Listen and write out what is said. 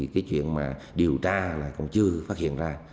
cái chuyện mà điều tra là cũng chưa phát hiện ra